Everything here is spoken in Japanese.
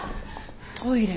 トイレ。